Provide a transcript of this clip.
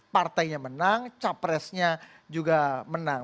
partainya menang capresnya juga menang